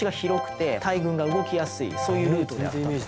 そういうルートであったと。